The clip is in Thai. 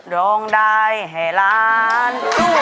ร้องได้ให้ล้าน